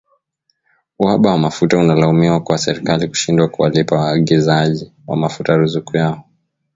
Uhaba wa mafuta unalaumiwa kwa serikali kushindwa kuwalipa waagizaji wa mafuta ruzuku yao